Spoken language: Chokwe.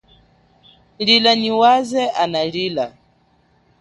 Lila nyi waze ana lila.